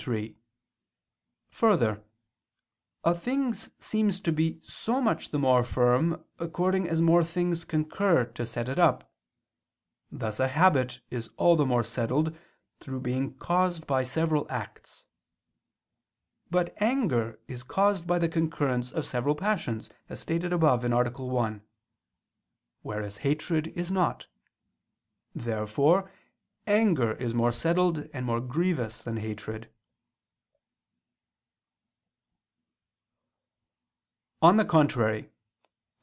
3: Further, a thing seems to be so much the more firm according as more things concur to set it up: thus a habit is all the more settled through being caused by several acts. But anger is caused by the concurrence of several passions, as stated above (A. 1): whereas hatred is not. Therefore anger is more settled and more grievous than hatred.